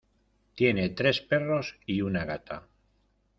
Tiene tres perros y una gata.